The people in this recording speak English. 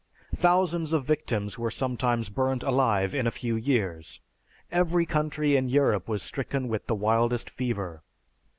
Thousands of victims were sometimes burnt alive in a few years. Every country in Europe was stricken with the wildest fever.